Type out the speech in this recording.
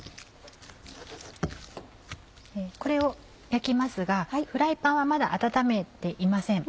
これを焼きますがフライパンはまだ温めていません。